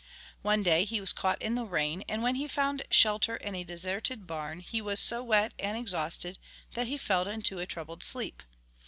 One day he was caught in the rain and when he found shelter in a deserted barn he was so wet and exhausted that he fell into a troubled sleep.